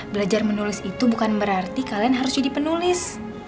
belajar menulis itu bukan berarti kalian harus jadi penulis